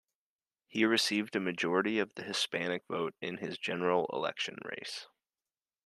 He received a majority of the Hispanic vote in his general election race.